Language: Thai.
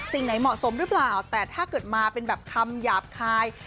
สิ่งไหนเหมาะสมหรือเปล่าแต่ถ้าเกิดมาเป็นแบบคำหยาบคาย